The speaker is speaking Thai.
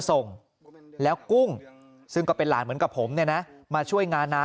ส่งแล้วกุ้งซึ่งก็เป็นหลานเหมือนกับผมเนี่ยนะมาช่วยงานน้า